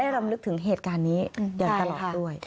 รำลึกถึงเหตุการณ์นี้อย่างตลอดด้วย